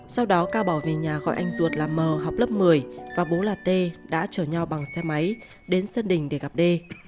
sau đó k bỏ về nhà gọi anh ruột là m học lớp một mươi và bố là t đã chở nhau bằng xe máy đến sân đỉnh để gặp d